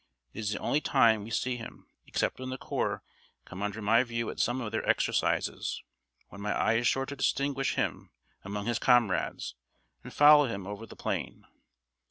It is the only time we see him, except when the Corps come under my view at some of their exercises, when my eye is sure to distinguish him among his comrades and follow him over the plain.